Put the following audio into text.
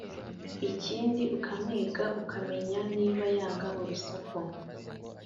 Ikindi ukamwiga ukamenya niba yanga urusaku